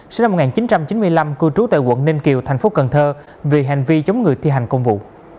sinh năm một nghìn chín trăm chín mươi năm cư trú tại quận ninh kiều thành phố cần thơ về hành vi chống người thi hành công vụ